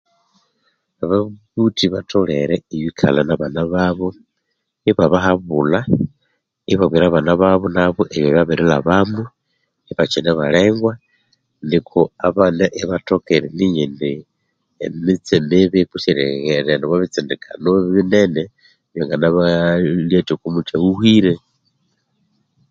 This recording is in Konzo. Ababuthi batholere ibikalha nabana babo ibabahabulha ibabwira abana babo ebibabirilhabamu ibakine balengwa nikwa ibathoka eriminya indi erighenda omwabitsindikano binene byangina balyatya kumuthi ahuhire